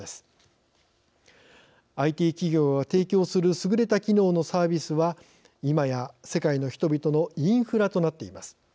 ＩＴ企業が提供する優れた機能のサービスはいまや世界の人々のインフラとなっています。